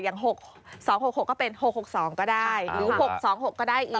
อย่าง๒๖๖ก็เป็น๖๖๒ก็ได้หรือ๖๒๖ก็ได้อีก